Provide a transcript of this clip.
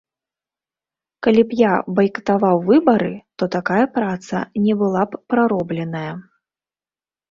Калі б я байкатаваў выбары, то такая праца не была б праробленая.